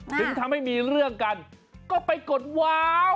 ถึงทำให้มีเรื่องกันก็ไปกดว้าว